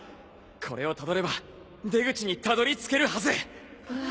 これをたどれば出口にたどりつけるはず。